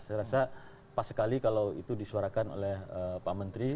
saya rasa pas sekali kalau itu disuarakan oleh pak menteri